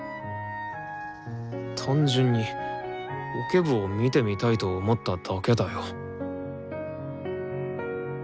単純にオケ部を見てみたいと思っただけだよ。